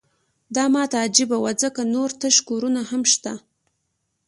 دا ماته عجیبه وه ځکه نور تش کورونه هم شته